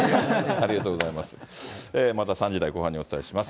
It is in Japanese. ありがとうございます。